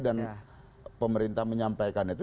dan pemerintah menyampaikan itu